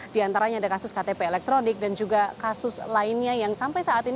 di antaranya ada kasus ktp elektronik dan juga kasus lainnya yang sampai saat ini